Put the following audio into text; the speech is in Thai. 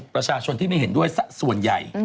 ประชาชนที่ไม่เห็นด้วยสักส่วนใหญ่